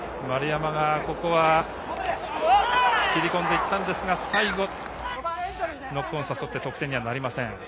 丸山がここは切り込んでいったんですが最後、ノックオンを誘って得点にはなりません。